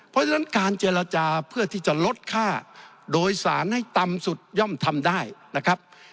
เพราะฉะนั้นการเจรจาเพื่อที่จะลดค่าโดยสารให้ต่ำสุดย่อมทำได้นะครับ